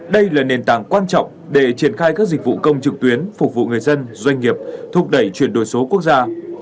đây là nền tảng quan trọng để triển khai các dịch vụ công trực tuyến phục vụ người dân doanh nghiệp thúc đẩy chuyển đổi số quốc gia